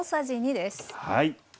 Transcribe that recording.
はい。